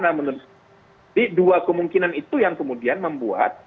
nah menurut saya dua kemungkinan itu yang kemudian membuat